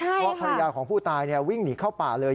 เพราะภรรยาของผู้ตายวิ่งหนีเข้าป่าเลย